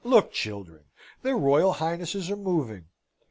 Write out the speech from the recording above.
Look, children! their Royal Highnesses are moving."